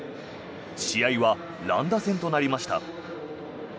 試合は乱打戦となりました。